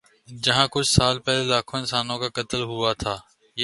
جہاں کچھ سال پہلے لاکھوں انسانوں کا قتل عام ہوا تھا۔